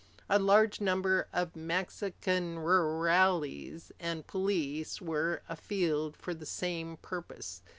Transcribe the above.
A large number of Mexican rurales and police were afield for the same purpose.